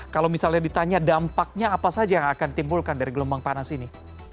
kalau misalnya ditanya dampaknya apa saja yang akan ditimbulkan dari gelombang panas ini